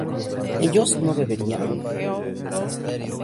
¿ellos no beberían?